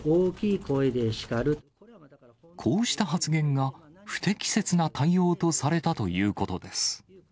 こうした発言が、不適切な対応とされたということです。